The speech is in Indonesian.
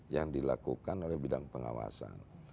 yang dilakukan oleh bidang pengawasan